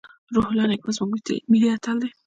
روح الله نیکپا زموږ ملي اتل دی.